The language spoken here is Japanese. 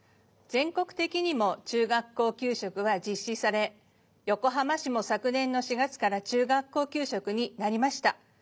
全国的にも中学校給食は実施され横浜市も昨年の４月から中学校給食になりました。